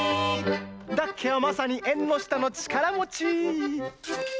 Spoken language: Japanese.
ダッケはまさに「えんのしたのちからもち」！